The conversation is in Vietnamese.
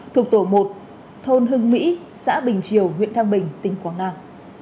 thuộc tổ một thôn hưng mỹ xã bình triều huyện thăng bình tỉnh quảng nam